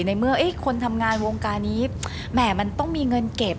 ในเมื่อคนทำงานวงการนี้แหม่มันต้องมีเงินเก็บ